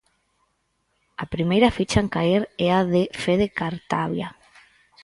A primeira ficha en caer é a de Fede Cartabia.